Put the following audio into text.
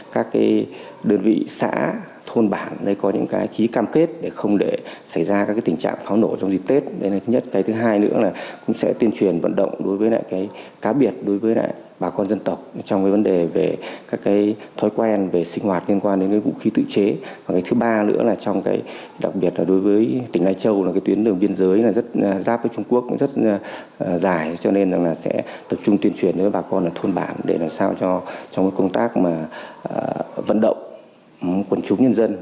cho nên là sẽ tập trung tuyên truyền với bà con là thôn bản để làm sao cho công tác vận động quân chúng nhân dân